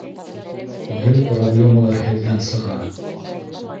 Гел проблемалар һеҙҙән сыға.